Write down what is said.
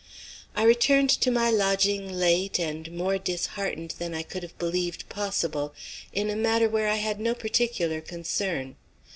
I returned to my lodging late and more disheartened than I could have believed possible in a matter wherein I had no particular concern.